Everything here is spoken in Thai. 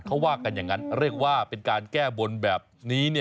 เขาว่ากันอย่างนั้นเรียกว่าเป็นการแก้บนแบบนี้